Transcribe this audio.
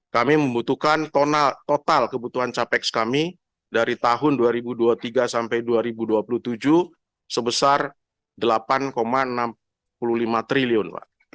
kami membutuhkan total kebutuhan capex kami dari tahun dua ribu dua puluh tiga sampai dua ribu dua puluh tujuh sebesar rp delapan enam puluh lima triliun